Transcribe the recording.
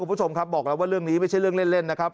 คุณผู้ชมครับบอกแล้วว่าเรื่องนี้ไม่ใช่เรื่องเล่นนะครับ